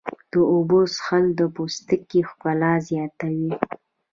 د اوبو څښل د پوستکي ښکلا زیاتوي.